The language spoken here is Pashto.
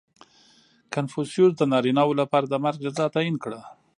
• کنفوسیوس د نارینهوو لپاره د مرګ جزا تعیین کړه.